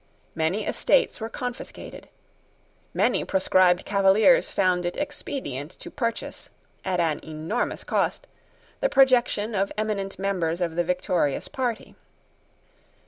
Many estates were confiscated. Many proscribed Cavaliers found it expedient to purchase, at an enormous cost, the protection of eminent members of the victorious party.